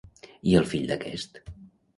I el fill d'aquest?